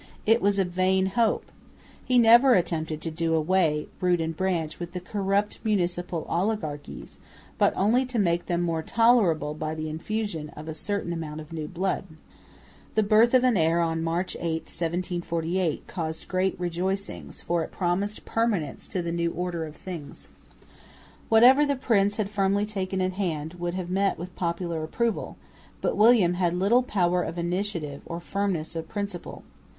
It was a vain hope. He never attempted to do away, root and branch, with the corrupt municipal oligarchies, but only to make them more tolerable by the infusion of a certain amount of new blood. The birth of an heir on March 8,1748, caused great rejoicings, for it promised permanence to the new order of things. Whatever the prince had firmly taken in hand would have met with popular approval, but William had little power of initiative or firmness of principle.